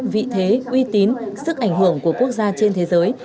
vị thế uy tín sức ảnh hưởng của quốc gia trên thế giới